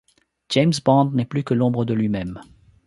James Bond n'est plus que l'ombre de lui-même.